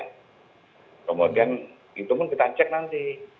kemudian itu pun kita cek nanti